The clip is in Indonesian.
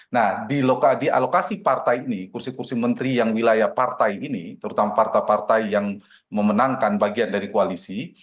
nah di alokasi partai ini kursi kursi menteri yang wilayah partai ini terutama partai partai yang memenangkan bagian dari koalisi